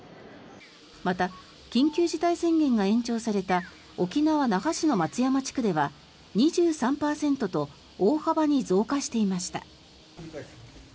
また、緊急事態宣言が延長された沖縄・那覇市の松山地区では２３％と大幅に増加していました。